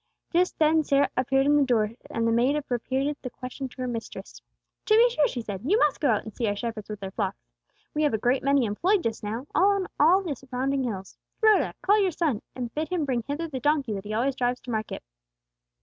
Just then Sarah appeared in the door, and the maid repeated the question to her mistress. "To be sure," she said. "You must go out and see our shepherds with their flocks. We have a great many employed just now, on all the surrounding hills. Rhoda, call your son, and bid him bring hither the donkey that he always drives to market."